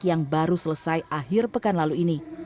yang baru selesai akhir pekan lalu ini